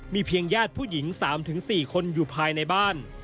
เพียงญาติผู้หญิง๓๔คนอยู่ภายในบ้าน